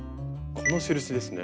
この印ですね。